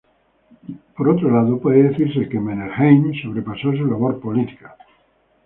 Por otro lado, puede decirse que Mannerheim sobrepasó su labor política.